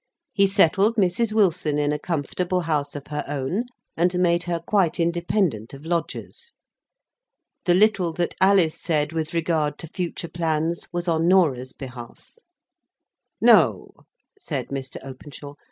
He settled Mrs. Wilson in a comfortable house of her own, and made her quite independent of lodgers. The little that Alice said with regard to future plans was in Norah's behalf. "No," said Mr. Openshaw.